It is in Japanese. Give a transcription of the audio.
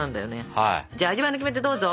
じゃあ味わいのキメテどうぞ！